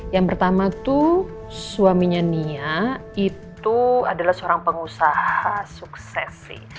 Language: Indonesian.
yang pertama tuh suaminya nia itu adalah seorang pengusaha sukses sih